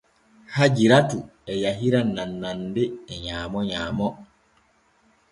Hajiratu e yahira nannande e nyaamo nyaamo.